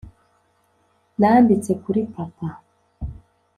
nanditse kuri papa,